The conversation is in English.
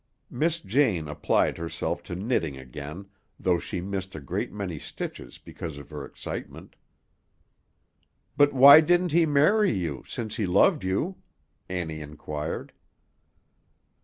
Miss Jane applied herself to knitting again, though she missed a great many stitches because of her excitement. "But why didn't he marry you, since he loved you?" Annie inquired.